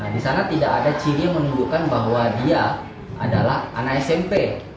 di sana tidak ada ciri yang menunjukkan bahwa dia adalah anak smp